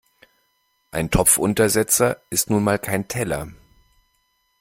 Ein Topfuntersetzer ist nun mal kein Teller.